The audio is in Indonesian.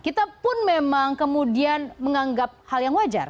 kita pun memang kemudian menganggap hal yang wajar